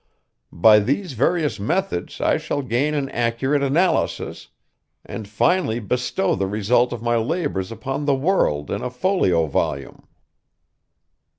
By these various methods I shall gain an accurate analysis, and finally bestow the result of my labors upon the world in a folio volume.